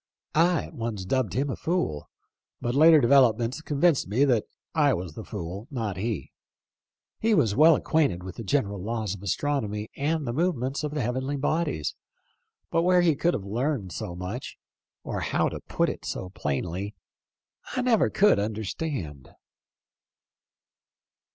I at once dubbed him a fool, but later developments convinced me that I was the fool, not he. He was well acquainted with the general laws of astronomy and the movements of the heavenly bodies, but where he could have learned so much, or how to put it so plainly, I never could understand."